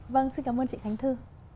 vâng xin cảm ơn chị khánh thư